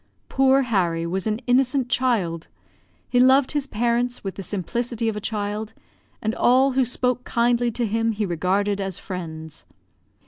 Poor Harry was an innocent child; he loved his parents with the simplicity of a child, and all who spoke kindly to him he regarded as friends.